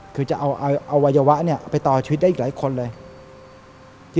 คือจะเอาอวัยวะไปต่อชีวิตได้อีกหลายคนเลย